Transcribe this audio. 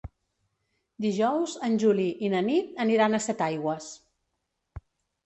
Dijous en Juli i na Nit aniran a Setaigües.